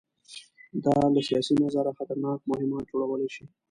دا له سیاسي نظره خطرناک مهمات جوړولی شي.